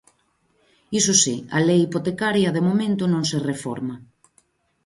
Iso si, a Lei Hipotecaria, de momento, non se reforma.